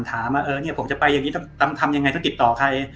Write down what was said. ถามว่าเออเนี้ยผมจะไปอย่างงี้ต้องต้องทำยังไงธุรกิจต่อใคร